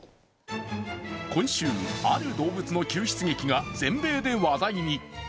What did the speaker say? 今週、ある動物の救出劇が全米で話題に。